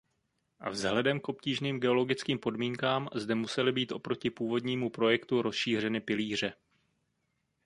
Vzhledem k obtížným geologickým podmínkám zde musely být oproti původnímu projektu rozšířeny pilíře.